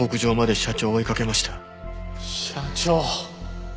社長！